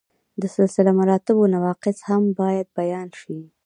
د سلسله مراتبو نواقص هم باید بیان شي.